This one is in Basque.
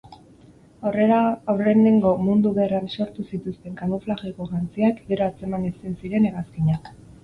Aurrenengo mundu gerran sortu zituzten kamuflajeko jantziak, gero atzeman ezin ziren hegazkinak.